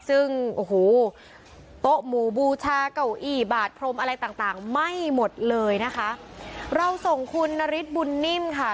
ซึ่งโอ้โหโต๊ะหมู่บูชาเก่าอี้บาทพรมอะไรต่างต่างไหม้หมดเลยนะคะเราส่งคุณนฤทธิบุญนิ่มค่ะ